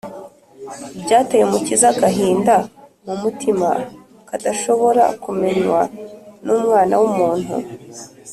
byateye umukiza agahinda mu mutima kadashobora kumenywa n’umwana w’umuntu